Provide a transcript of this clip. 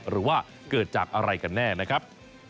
หรือว่าเกิดจากอะไรกันแน่นะครับ